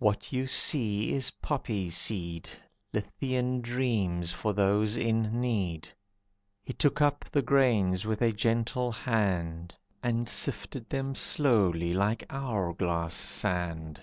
"What you see is poppy seed. Lethean dreams for those in need." He took up the grains with a gentle hand And sifted them slowly like hour glass sand.